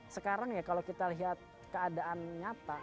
sekarang ya kalau kita lihat keadaan nyata